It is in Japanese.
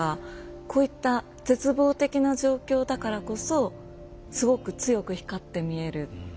こういった絶望的な状況だからこそすごく強く光って見える。